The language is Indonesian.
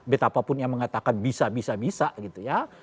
betapapun yang mengatakan bisa bisa bisa